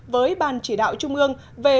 với ban chỉ đạo trung ương về phát triển bão